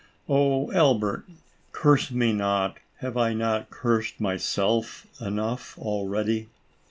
" Oh, Albert, curse me not ! Have I not cursed myself enough already?